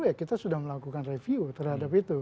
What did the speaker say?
ya kita sudah melakukan review terhadap itu